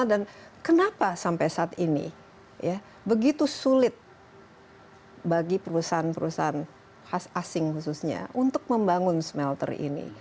dan kenapa sampai saat ini begitu sulit bagi perusahaan perusahaan khas asing khususnya untuk membangun smelter ini